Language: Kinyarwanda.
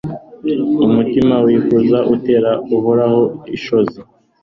umutima wikuza utera uhoraho ishozi